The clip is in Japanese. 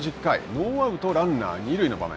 ノーアウト、ランナー二塁の場面。